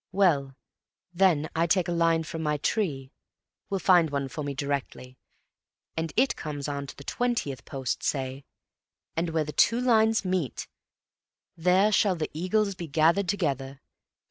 Well, then I take a line from my tree—we'll find one for me directly—and it comes on to the twentieth post, say. And where the two lines meet, there shall the eagles be gathered together.